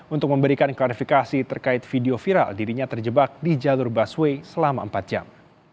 untuk memberikan klarifikasi terkait video viral dirinya terjebak di jalur busway selama empat jam